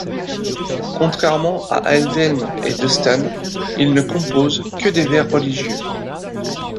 Contrairement à Aldhelm et Dunstan, il ne compose que des vers religieux.